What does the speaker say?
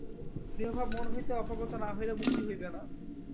দেহভাব মন হইতে অপগত না হইলে মুক্তি হইবে না।